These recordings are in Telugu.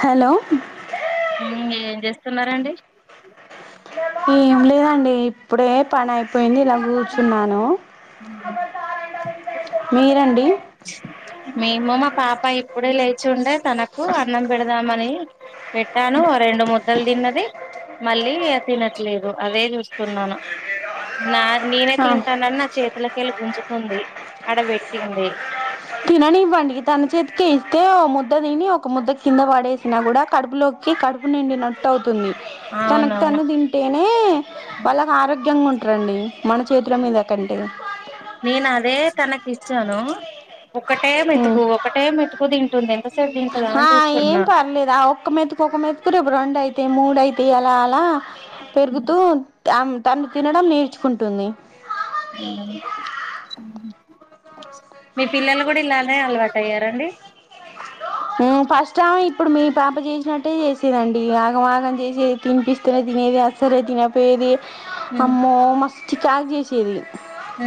హలో చస్తున్నారండి ఏం లేదండి ఇప్పుడే పని అయిపోయింది ఇలా కూర్చున్నాను మీరండి మేము మా పాప ఇప్పుడే లేచి ఉండే తనకు అన్నం పెడదామని పెట్టాను రెండు ముద్దలు తిన్నది మళ్ళీ తినట్లేదు అదే చూస్తున్నాను నా నేనే ఆ తింటాన నా చేతిలకిళ్ గుంజుకుంది అడబట్టింది తిననివడికి తన చేతికి ఇస్తే ఓ ముద్ద తిని ఒక ముద్ద కింద పడేసినా కూడా కడుపులోకి కడుపు నిండినట్టు అవుతుంది తనకు అవునవును తను తింటేనే వాళ్ళకి ఆరోగ్యంగా ఉంటు కు రండి మన చేతుల మీద కంటే నేను అదే తనకి ఇచ్చాను ఒకటే ఉమ్ మెతుకు ఒకటే మెతుకు తింటుంది ఎంతసేపు తింటదా ఆ అని ఏం చూస్తున్నా పర్లేదు ఆ ఒక్క మెతుకు ఒక్క మెతుకు రేపు రెండు అయితే మూడుయితే ప అలా అలా పెరుగుతూ తను తినడం నేర్చుకుంటుంది మీ పిల్లలు కూడా ఇలానే అలవాటు అయ్యారండి ఫస్ట్ ఇప్పుడు మీ పాప చేసినట్టే చేసేదండి ఆగంమాగం చేసేది తినిపిస్తనే తినేది అస్సలే తినపోఏది ఉమ్ అమ్మో ప్యాక్ చేసిని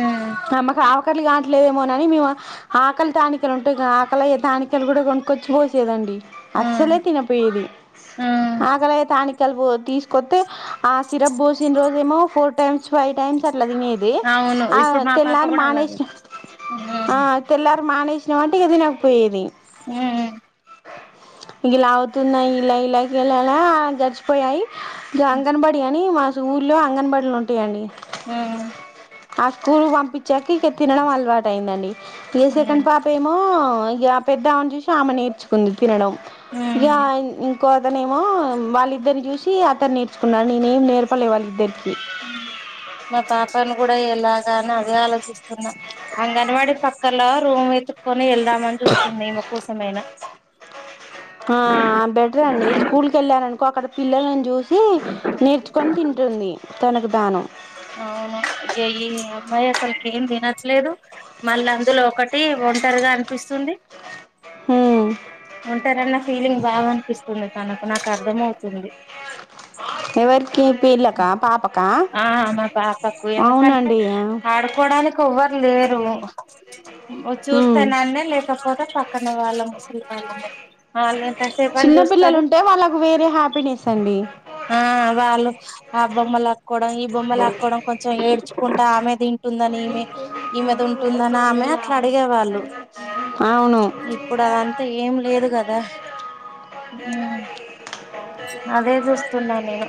ఉమ్ ఆ మాకు ఆ [unintelligible] ఆక ంట్లేదేమో అని మేము ఆకలి టానిక్ ఉంటాయి ఆకలి టానిక్లు కూడా కుష్బూ చూడండి అసలే ఉమ్ తిన పోయది ఉమ్ అకలి అయ్యే టానిక్ తీసుకోతే ఆ సిరప్ పోసిన రోజు మో ఫోర్ టైమ్ ఫైవ్ టైమ్స్ లేదిని ఇది అవును ఇప్పుడు మా పాప తెల్లారు కూడా మానేేష్ అలాగే ఆ తెల్లారు మానేేష్ తినక పోయేది గీ లాగుతున్నాయి ఇలా ఇలాగ వెళ్లాలా గడిచిపోయాయి అంగన్వాడీ బడియా ని మా ఊర్లో అంగన్వాడీ ఉంటాయండి హమ్ ఆ స్కూల్ కి పంపిస్తూ చెకికిె తినడం అలవాటు అయిందండి ఏ సెకండ్ పాప ఏమో ఇగ పెద్ద ఆమెను చూసి రామె నేర్చు కుంది తినడం యా ఇంకో అతనేమో వాళ్ళిద్దరిని చూసి అతను నేర్చుకున్నా నేనేం నేర్పలే వాళ్ళిద్దరి మా పాపను కూడా ఎలా ని అదే ఆలోచిస్తున్నా అంగన్వాడీ పక్కలో రూమ్ వెతుకుొని వెళ్దాం మని చూస్తుందిమ కోసమైనా ఆ బెటర్ అండి స్కూల్ క వెళ్ళాను ఒకరి పిల్లని చూసి నేర్చుకొని తింటుంది తనకు దానం అవును ఈ అమ్మాయి అసలుకి ఏం తినట్లేదు మళ్ళీ అందులో ఒకటి ఒంటరిగా అనిపిస్తుంది ఉంటే నన్న ఫీలింగ్ బాగా అనిపిస్తుంది తనకు నాకు అర్థం అవుతుంది ఎవరికి పీలక్క పాపకా ఆ మా పాపకు ఎందుకంటే అవునండి ఆ ఆడుకోవడానికి ఓవ్వర్ లేరు ఉమ్ చూస్తేనన్ను లేకపోతే పక్కన వాళ్ళ ముసలి వాళ్ళని వాళ్ళు ఎంతసేపని చిన్న పిల్లలు చూస్తారు ఉంటే వాళ్ళకు వేరే హ్యాపీనెస్ అండి ఆ వాళ్ళు ఆ బొమ్మ లాక్కోడం ఈ బొమ్మ లాక్ కొడం కొంచెం ఏడ్చుకుంటే ఆమె తింటుందని ఈమె ఈమె దింటుందని ఆమె అట్లా అడిగేవాళ్ళు అవును ఇప్పుడు అదంతా ఏం లేదు కద్ దా హ్మ్ అదే చూస్తున్నా నేను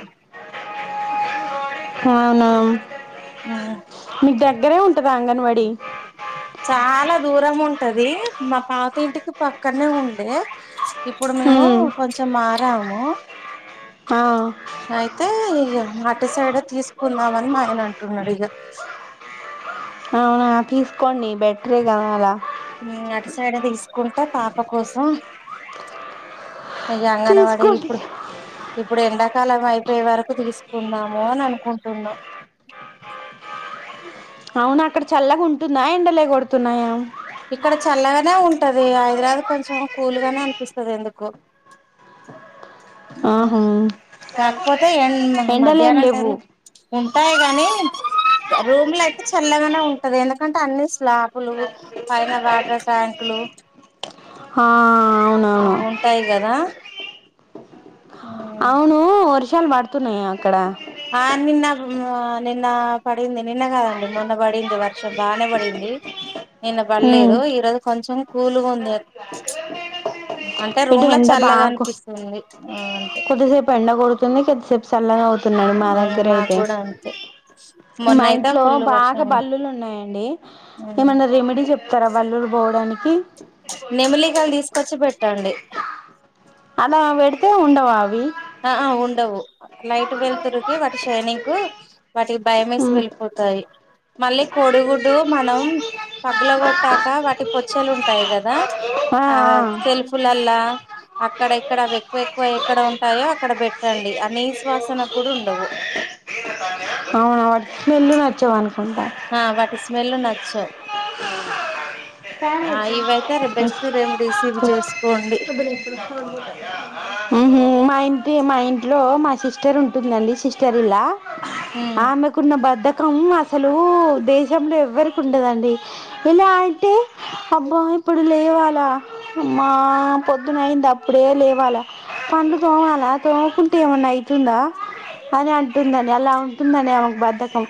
అవునా మీకు దగ్గరే ఉంటదా అంగన్వాడి టది మా పాత ఇంటికి పక్కన్నే ఉండే ఇప్పుడు మేము ఉమ్ కొంచెం మార్ ర్ నాము ఆ అయితే ఇగ అటు సైడ్ ఎ తీసుకుందామని మాయన అం టున్నాడు ఇగ అవునా తీసుకోండి బెట్రే కదా అలా నే అటు సైడే తీస్ కుంటా పాప కోసం అయ్య అంగన్వాడి తీసుకోండి ఇప్పుడు ఇప్పుడు ఎండాకాలం అయిపోయే వరకు తీసుకుందాము అని అనుకుంటున్నా అవును అక్కడ చల్లగా ఉంటుందా ఎండలే కొడుతున్నాయా ఇక్కడ చల్లగానే ఉంటది హైదరాబాద్ కొంచెం కూల్గానే అనిపిస్తది ఎందుకో ఆహా కాకపోతే ఏ ఎండలేం మధ్యాహ్నం టైమ్ లేవు లో ఉంటాయి కానీ రూమ్లా అయితే చల్లగానే ఉంటది ఎందుక కంటే అన్ని స్ స్లాపులు పైన వాటర్ ట్యాంకులు ఆ అవునవును అవ్వుంటాయి కదా అవును వర్ష షాలు పడుతున్నాయా అక్కడ నిన్న ఆ నిన్న పడింది నిన్న కాదండి మొన్న పడింది వర్షం బానే పడింది నిన్న ఉమ్ పడలేదు ఈరోజు కొంచెం కూలుగుంది అంటే ఇటు రూమ్ ల ఎండ చల్లగా బాగా అనిపిస్తుంది హ్మ్మ్ అంతే కిందికి కొద్ది సేపు చల్లగా అవుతున్నాడు మా దగ్గర హ్మ్మ్ మాకు అయితే కూడా అంతే మొన్న మా అయితే ఇంట్లో ఫుల్లు బాగా వర్షం బల్లులు ఉన్నాయండి ఏమైన్నా రెమెడీ చెప్తారా బల్లులు పోవడ పోవడానికి నెమిలికాయలు తీసుకొచ్చి పెట్ ట్టండి అలా వెడితే ఉండవా అవి ఆ ఉండవు లైట్ వెళ్తురికి వాటి షైనింగ్ కు ఆ వాటికి భయం వేసి వెళ్ళిపోతాయి మళ్ళీ కోడుగుడ్డు మనం పగల కొట్టాక వాటి పొచ్చేలు ఉంటాయి కదా ఆ సెల్ఫ్లల్లా అక్కడ ఇక్కడవి ఎక్కువ ఎక్కువ ఎక్కడ ఉంట కూడా ఉండవు ఆ ఆ వాటి స్మెల్ నచ్చవ్ అజం ఆ వాటి స్మెల్ నచ్చవ్ ఇవైతే బెస్ట్ రెమెడీస్ ఇవి చేసుకోండి హ్మ్మ్ మా ఇంటి మా ఇంట్లో మా సిస్టర్ ఉంటుందండి సిస్టర్ ఇలా ఉమ్ ఆమెకున్న బర్డె కం అసలు దేశంలో ఎవ్వరికి ఉండదండి ఇలా అయితే అబ్బా ఇప్పుడు లేవాలా హమ్మ పొద్దున అయింది అప్పుడే లే వాలా పండ్లు తోమాల తోమకుంటే ఏమన్నా ఐ తుందా [unintelligible] ఉంటుందంని అలా ఉంటుందని ఆమెకు బద్ధకం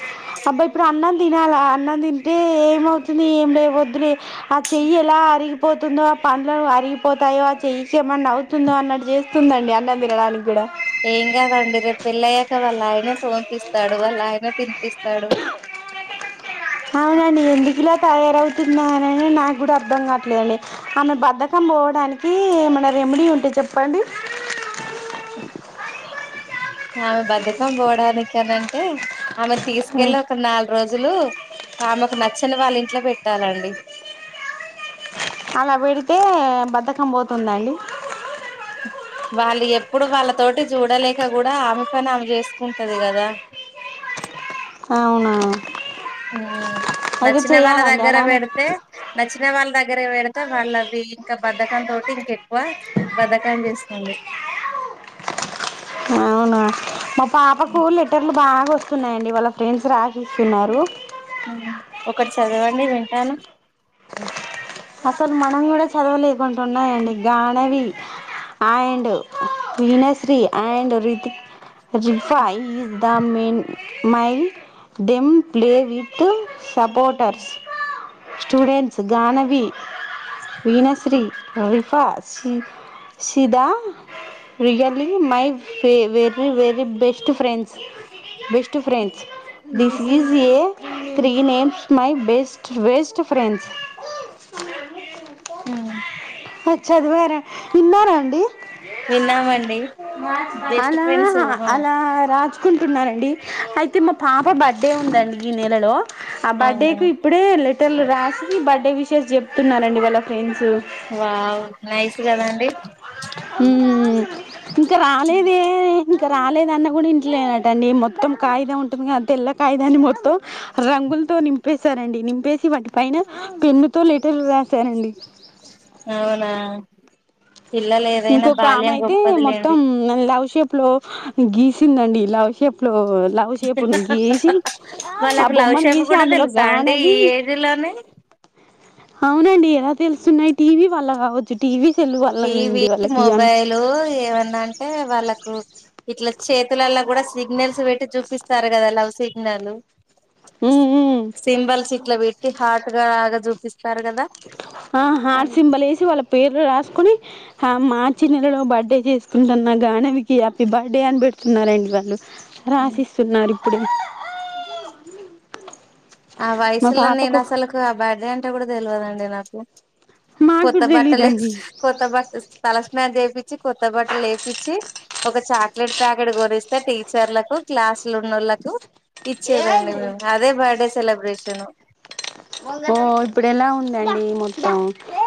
అబ్బా ఇప్పుడు అన్నం తినాలి అన్నం తింటే ఏమవు ఏం లే వొద్దు లే ఆ చెయ్యి ఎలా అరిగిపోతుందో ఆ పండ్లు అరి పోతయో ఆ చేయి కి ఏమైనా అవుతుంద అన్నట్టు చేస్తుందండి అన్నం తినడానికి కూడా ఏం కాదండి రేపు పెళ్ళయ్యాక వాళ్ళ ఆయనే సోంపిస్తాడు వాళ్ళ ఆయనే తినిపిస్తాడు అవును అండి ఎందుకు ఇలాక్ తయారవుతున్నానని నాకు కూడా అర్థం కావట్లేదండి ఆమె బద్దకం పోవడానికి ఏమైనా రెమెడీ ఉంటే చెప్పండి. ఆమె బధకం పోవడానికి అన అంటే ఆమె తీసుకెళ్లి ఒక నాలుగు రోజులు ఆమెకు నచ్చని వాళ్ళ ఇంట్లో పెట్టాలండి అలా వెడితే బద్ద పోతుందిండి ఇప్పుడు వాళ్ళ తోటి చూడలేక కూడా ఆమె పని ఆమె చేసుకుంటది కదా అవునా ఉ అయితే నచ్చిన వాళ్ళ చెయ్యాలండి దగ్గర అలానే పెడితే నచ్చిన వాళ్ళ దగ్గర దగ్గర పెడితే వాళ్ళ అది ఇంకా బధకం తోటి ఇంక ఎక్కువ బధకం చేస్తుంది అవును పాపకు లిటర్లు బాగా వస్తున్నాయండి వాళ్ళ ఫ్రెండ్స్ రాసిస్తున్నారు ఒకటి చదవండి వింటాను అసలు మనం కూడా చదవలేకుండా ఉన్నాయండి గగానవి ఆ Veenashree and Rifa is the my them [unintelligible] play with supporters students Ganavi Veenashree Rifa's సీదా really my వెర very best friends best friends this is a three names my best best friends who చదివారా విన్నారా అండి విన్నామండి బెస్ట్ అలా ఫ్రెండ్స్ అలా రాజు చసుకుంటున్నారండి అయితే మా పాప బర్త్డే ఉందండి ఈ నెలలో ఆ బర్త్డే అవునా కు ఇప్పుడే రాశి బర్త్డే విషెస్ చూస్తున్నారండి వాళ్ళ ఫ్రండ్ వావ్ నైస్ కదండి ఉమ్ ఇంకా రాలేద ఇంకా రాలేదన్న కూడా ఇంట్లేనట అడి మొత్తం కాగితం ఉంటుంది కదా తెల్ల కాగియిన్ని మొత్తం రంగులతో నింపి ప్పేశారండి నింపేసి వాటి పైన పెన్నుతో తెలు వశారండి అవునా [unintelligible] పిల్లలు ఏదైనా ఇంకొక్క ఆమె ఆమె బాల్యం అయితే మొత్తం గొప్పదిలేండి లవ్ షేప్ లో గీసిందండి లవ్ షేప్ లో లవ్ షేప్ నీ గీసి ఆ వాళ్ళకు లవ్ బొమ్మను షేప్ గీసి కూడా అందులో తెలుసా అండి గానవి ఈ ఏజ్ లోనే అవునండి ఎలా తెలుసున్నాయి టీవీ వాళ్ళ కావచ్చు టీవీ సెల్లు వల్ల టీవీ అండి వాళ్ళకి అన్ మొబైలు ఏమన్నా అంటే వాళ్ళకు ఇట్ల చేతులల్ల కూడా సిగ్నల్స్ పెట్టి చూపిస్తారు కదా love signal um um symbol సిట్ల వీ కి హార్ట్గాగా చూపిస్ ఆ హార్సింబలే వేసి వాళ్ళ పేర్లు రాసుకునీ ఆ మార్చి నెలలో బర్త్డే చేసుకుంటున్న గానవికి హ్యాపీ బర్త్డే అని పెడుతున్నారండి వాళ్ళు రాసిస్తున్నారు ప్పుడు ఆ వయసులో నేను అసలులకు ఆ బ్యాడ్డే అంటే కూడా తెలియదుండి నాకు మాకు కూడా కొత్తబాట్టలే తెలీదండి కొత్తబట్ట తల స్నానం చెపి చ్చి కొత్త బట్టలు ఎపిచ్చి ఒక చాక్లెట్ ప్యాకెట్ గురిస్తే టీచర్లకు క్లాసుల ఉన్నాళ్లకు ఇచ్చేదండి మేము అదే బడే సెలబ్రేషను ఓ ఇప్పుడు ఎలా ఉందండి మొత్తం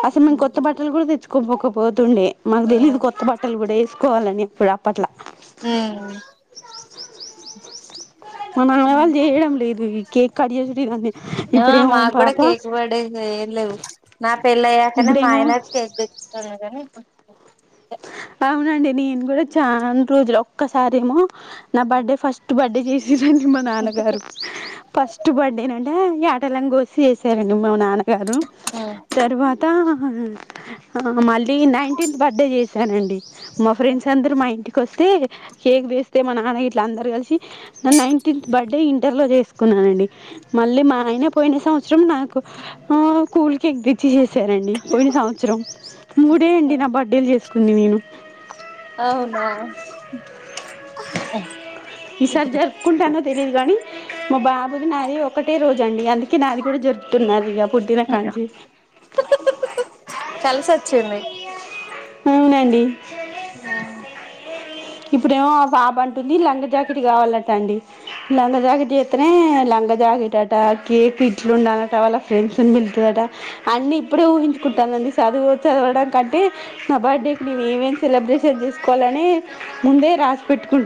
అసలు మేం కొత్త బటలు కూడా దచ్ కుభొపోత్ తుండే మాకు తెలీదు కొత్త బట్టలు కూడా ఎస్ కోవాలని ఇప్పుడు అప్పట్లా మా ఉమ్ నాన్నవాళ్ళు చేయడం లేదు ఈ కేక్ కట్ చేసుడు ఇవన్నీ ఆ ఇప్పుడేమో మాకు కూడా పాప కేక పడేది ఏం లేవు నా పెళ్ళ అయ్యాకనే మా ఇప్పుడేమో ఆయన తెపిస్తుంది అవునండి నేను కూడా చాన్ రోజులు ఒక్కసారేమో నా బర్త్డే ఫస్ట్ బర్త్డే చేసి నిజానికి మా నాన్నగారు ఫస్ట్ బర్డే నే అంటే కలంగోశి ఎసరన్డి మా నాన్న గారు తర్వాత ఆ మళ్ళీ నైన్టీన్త్ బర్త్డే చేస సనండి మా ఫ్రెండ్స్ అందరూ మా ఇంటికోస్ తే కేక్ తేస్తే మా నాన్న ఇట్ల అందరు కలిసి నా నైన్టీన్త్ బర్డే ఇం ఇంటర్ లో చేసుకున్నానండి మళ్ళీ మా ఆయన పోయిన సంవత్సరం నాకు ఆ కూల్ కేక్ చీ సరే అండి పోయిన సంవత్సరం మూడే అండి నా బర్త్డేలు చేసు అవునా ఈసారి జరుపుకుంటానో తెలీయదు గాని మా బాబుది నాది ఒకటే రోజు దండి గా ఉంది కి నాది కూడా జరుపుతున్నారు ఇక పుట్టిన కడ నుంచి కలిసి వచ్చింది అవునండి ఆ ఇప్పుడే పాప అంటుంది లంగ జాకెట్ కావాలట అండి లంగ జాకెట్ చేస్తనే లంగ జాకెట్ అట కేక్ ఇట్లు ఉండాలట వాళ్ళ ఫ్రెండ్స్ని పిలుతుందట అన్నీ ఇప్పుడే ఊహించుకుంటానండి చదువు చదవడానికి అంటే నా బర్డే ఏమేమేం సెలబ్రేషన్ చేసుకోవాలని ముందే రా పెట్టుకున్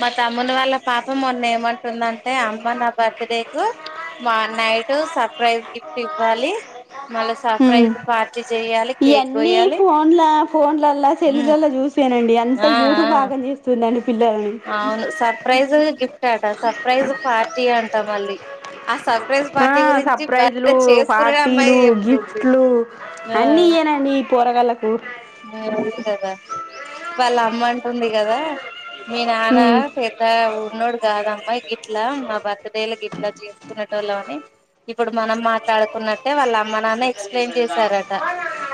మా తమ్ముని వాళ్ళ పాపం మొన్న ఏమంటుందంటే అమ్మ నా బర్త్డే కు నైట్ సర్ప్రైజ్ గిఫ్ట్ ఇవ్వాలి మళ్ళీ ఉమ్. సర్ప్రైజ్ పార్టీ చెయాలి కేక్ ఇవన్నీ కోయాలి ఫోన్ల ఫోన్లలా ఉ సెల్లులలా చూసానండి అంత ఆ ఆ యూట్యూబ్ ఆగం చేస్తుందండి పిల్లలని అవును సర్ప్రైజ్ గిఫ్ట్ అట సర్ప్రైజ్ పార్టీ అంటా మళ్ళీ ఆ సర్ప్రైజ్ ఆ పార్టీ గురించి సర్ప్రైజ్లు బర్త్డే చేసుకునే పార్టీలు అమ్మాయి చెప్తుంది ఆ పొరగండ్లకు [unintelligible] వాళ్ళ అమ్మంట ఉంది కదా మీ నాన్న ఉమ్ పెద్ద ఉన్నోడు కాదమ్మా గిట్ల మా భర్త పెద్దయ్యాల్లకి గిట్ల చేసుకున్న టోల్లాం అని ఇప్పుడు మనం మాట్లాడుకున్నట్టే వాళ్ళ మ నాన్న ఎక్స్ప్లెయిన్ చేశారట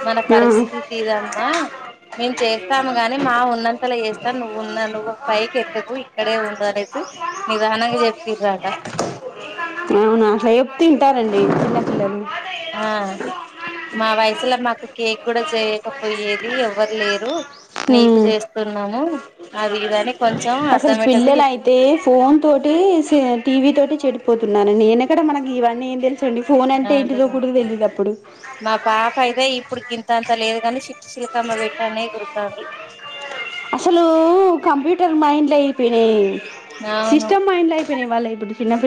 మన ఆ పరిస్థితి ఇది మా మేము చేస్తాము గాని మా ఉన్నంతలో చేస్తాను నువ్వు ఉన్నా నువ్వు పైకి ఎక్కకు ఇక్కడే ఉండు అనేసి నిదానంగా చెప్పిరు ఆట తింటారండి చిన్న పిల్లలు ఆ మా వయసులో మా కేక్ కూడా చేయకపోయేది ఎవరు లేరు నీకు ఉమ్ చేస్తున్నాము అది ఇది అని అసల్ పిల్లల అయితే ఫోన్ తోటి సే టీవీ తోటి చెడిపోతున్నానీ నేను ఏక్కడ మనకి ఇవన్నీ ఏం దెల్ ఆ అదేదండీ మా పాప అయితే ఇప్పుడు గింతంత లేదు గానీ చి శీలకమ్మ పేటనే ఎగురుతాది అసలు కంప్యూటర్ మైండ్ల్ అయిపెనాయ్ అవును సిస్టమ్ మైండ్ల్ అయిపేనాయ్ వాళ్ళయి ద్ ఫిన్నం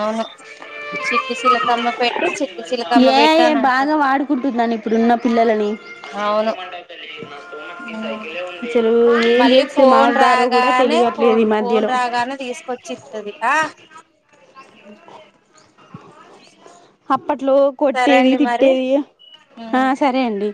అవును చి పీస్ చిలకమ్మ పెట్టి చి ఏ ఐ బాగా వాడుకుంటున్నాను ఇప్పుడున్నప్ పిల్లలని అవును అసలు ఏం మళ్ళీ జేస్తే ఫోన్ మారుదారో కూడా రాగానే ఫో తెలియట్లేదు ఈ ఫోన్ మధ్యలో రాగానే ఉ అప్పట్లో సరే కొట్టేది అండి మరి తిట్టేది ఆ ఉమ్ సరే అండి